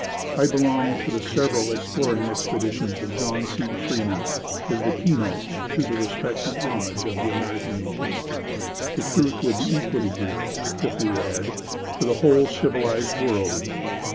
"I belonged to the several Exploring Expeditions of John C. Fremont" is the key note to the respect and homage of the American nation; the truth would be equally real, if we add, to the whole civilized world.